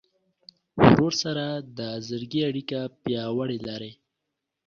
ورور سره د زړګي اړیکه پیاوړې لرې.